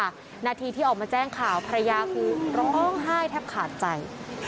นาทีที่ออกมาแจ้งข่าวภรรยาคือร้องไห้แทบขาดใจ